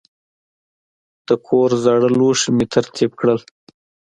د کور زاړه لوښي مې ترتیب کړل.